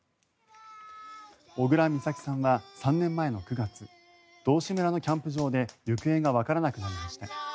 小倉美咲さんは３年前の９月道志村のキャンプ場で行方がわからなくなりました。